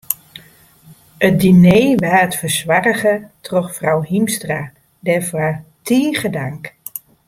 It diner waard fersoarge troch frou Hiemstra, dêrfoar tige tank.